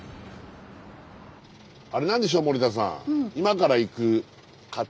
あれなんでしょう森田さん。